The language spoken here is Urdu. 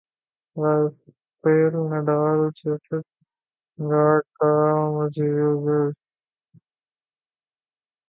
Rafale Nadal Stuttgart Mercedes Cup کے فاتح نڈال نے فائنل میں وکٹر ٹرائیکی کو سات چھے اور چھے تین سے شکست دی